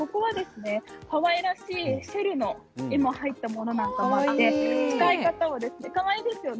かわいらしいシェルの絵が入ったものもあったりしてかわいいですよね。